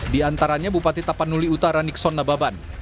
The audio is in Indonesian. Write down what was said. di antaranya bupati tapanuli utara nixon nababan